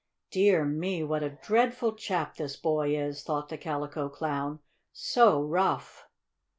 "Dear me, what a dreadful chap this boy is!" thought the Calico Clown. "So rough!"